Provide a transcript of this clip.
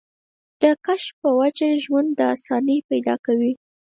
د کشف پۀ وجه ژوند ته اسانۍ پېدا کوي